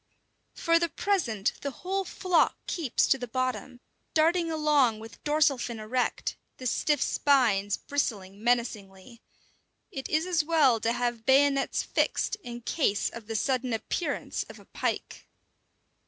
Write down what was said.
For the present the whole flock keeps to the bottom, darting along with dorsal fin erect, the stiff spines bristling menacingly. It is as well to have bayonets fixed in case of the sudden appearance of a pike.